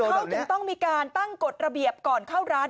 เขาถึงต้องมีการตั้งกฎระเบียบก่อนเข้าร้าน